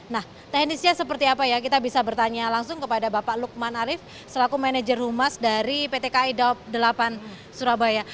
nah teknisnya seperti apa ya kita bisa bertanya langsung kepada bapak lukman arief selaku manajer humas dari pt kai daop delapan surabaya